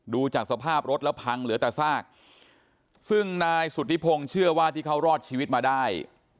ดูจากสภาพรถแล้วพังเหลือแต่ซากซึ่งนายสุธิพงศ์เชื่อว่าที่เขารอดชีวิตมาได้